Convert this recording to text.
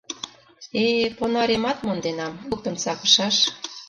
Э-э, понаремат монденам, луктын сакышаш.